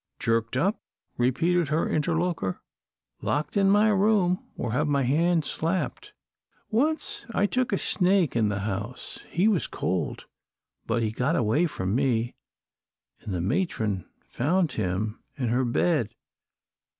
"Jerked up?" repeated her interlocutor. "Locked in my room, or have my hands slapped. Once I took a snake in the house. He was cold, but he got away from me, an' the matron found him in her bed.